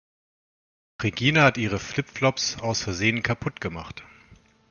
Regina hat ihre Flip-Flops aus Versehen kaputt gemacht.